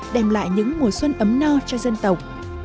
đem lại những mùa xuân ấm no cho dân tộc